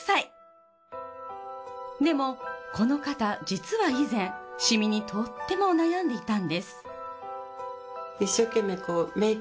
でもこの方実は以前シミにとっても悩んでいたんです。